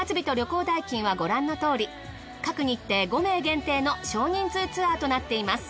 各日程５名限定の少人数ツアーとなっています。